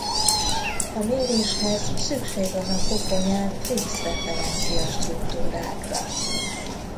A méréshez szükség van a koponyán fix referencia struktúrákra.